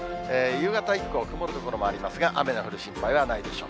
夕方以降、曇る所もありますが、雨の降る心配はないでしょう。